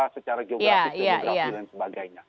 secara geografi dan sebagainya